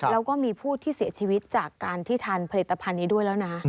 แล้วก็มีผู้ที่เสียชีวิตจากการที่ทานผลิตภัณฑ์นี้ด้วยแล้วนะ